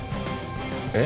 えっ？